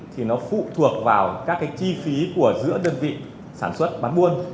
thì nó phụ thuộc vào các cái chi phí của giữa đơn vị sản xuất bán buôn